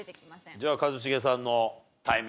じゃあ一茂さんのタイミングで。